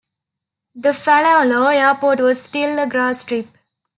The Faleolo airport was still a grass strip.